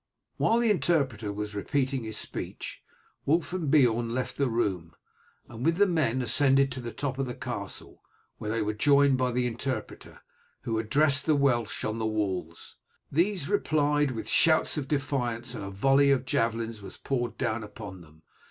While the interpreter was repeating his speech Wulf and Beorn left the room, and with the men ascended to the top of the castle, where they were joined by the interpreter, who addressed the Welsh on the walls. These replied with shouts of defiance, and a volley of javelins was poured down upon them.